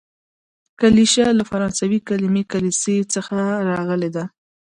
کلیشه له فرانسوي کليمې کلیسې څخه راغلې ده.